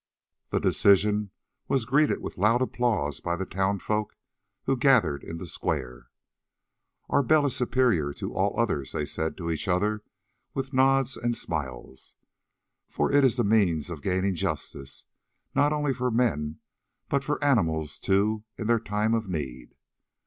This decision was greeted with loud applause by the town folk, who gathered in the square. "Our bell is superior to all others," they said to each other, with nods and smiles, "for it is the means of gaining justice, not only for men, but for animals too in their time of need."